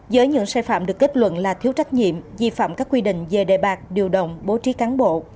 giới những sai phạm được kết luận là thiếu trách nhiệm di phạm các quy định về đề bạc điều động bố trí cán bộ